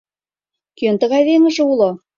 Кӧн тыгай веҥыже уло?